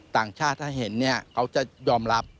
ต่างชาติถ้าเห็นเนี่ยเขาจะยอมรับ